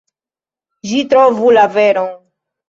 Ĝi trovu la veron.